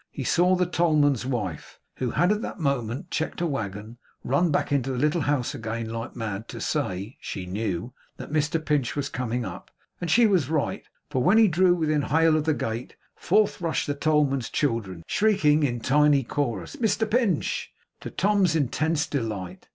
he saw the tollman's wife, who had that moment checked a waggon, run back into the little house again like mad, to say (she knew) that Mr Pinch was coming up. And she was right, for when he drew within hail of the gate, forth rushed the tollman's children, shrieking in tiny chorus, 'Mr Pinch!' to Tom's intense delight.